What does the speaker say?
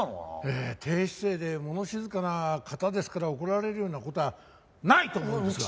ええ低姿勢で物静かな方ですから怒られるような事はない！と思いますが。